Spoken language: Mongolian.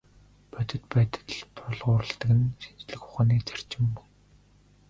Бодит байдалд тулгуурладаг нь шинжлэх ухааны зарчим мөн.